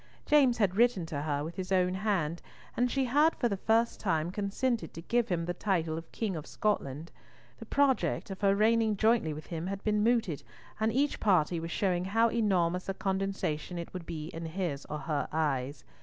James had written to her with his own hand, and she had for the first time consented to give him the title of King of Scotland. The project of her reigning jointly with him had been mooted, and each party was showing how enormous a condescension it would be in his or her eyes!